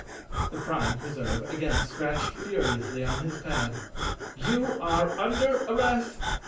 The Prime Preserve again scratched furiously on his pad, "You are under arrest.